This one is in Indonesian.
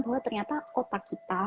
bahwa ternyata otak kita